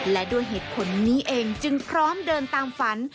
และด้วยเหตุผลนี้เองจึงพร้อมเดินตามฝัน